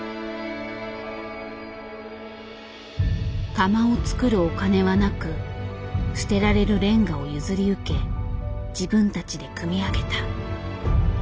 窯を作るお金はなく捨てられるレンガを譲り受け自分たちで組み上げた。